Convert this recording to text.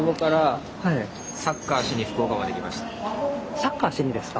サッカーしにですか？